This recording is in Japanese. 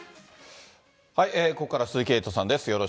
ここからは鈴木エイトさんです。